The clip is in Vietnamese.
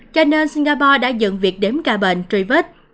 cho nên singapore đã dựng việc đếm ca bệnh truy vết